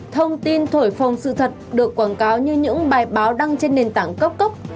thông tin thổi phồng sự thật được quảng cáo như những bài báo đăng trên nền tảng cốc cốc